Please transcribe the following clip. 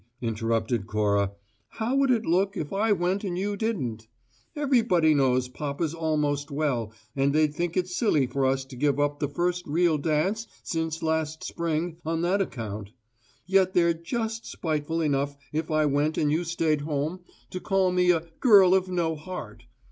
interrupted Cora. "How would it look if I went and you didn't? Everybody knows papa's almost well, and they'd think it silly for us to give up the first real dance since last spring on that account; yet they're just spiteful enough, if I went and you stayed home, to call me a `girl of no heart.'